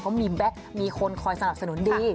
เขามีแบ็คมีคนคอยสนับสนุนดี